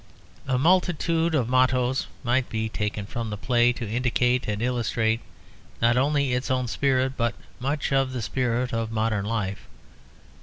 A multitude of mottoes might be taken from the play to indicate and illustrate, not only its own spirit, but much of the spirit of modern life.